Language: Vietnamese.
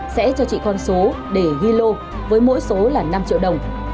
sẽ cho chị con số để ghi lô với mỗi số là năm triệu đồng